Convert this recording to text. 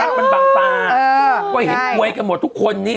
ชีวะความรักมันบังตาก็เห็นกล้วยกันหมดทุกคนนี่